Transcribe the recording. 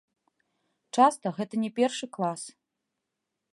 Часта гэта не першы клас.